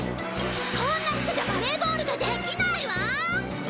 こんな服じゃバレーボールができないわ！